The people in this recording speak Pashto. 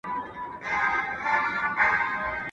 اګوست کُنت ویلي دي چې دا د قوانینو علم دی.